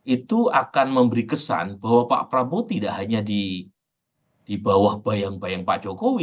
itu akan memberi kesan bahwa pak prabowo tidak hanya di bawah bayang bayang pak jokowi